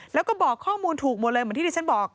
แล้วก็บอกข้อมูลถูกหมดเลยเหมือนที่ที่ฉันบอก